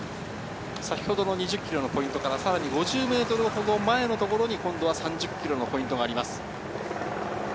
２０ｋｍのポイントからさらに５０ｍほど前のところに今度は３０ｋｍのポイントがあります。